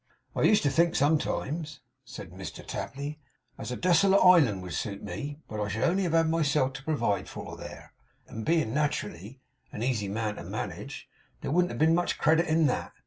'I used to think, sometimes,' said Mr Tapley, 'as a desolate island would suit me, but I should only have had myself to provide for there, and being naturally a easy man to manage, there wouldn't have been much credit in THAT.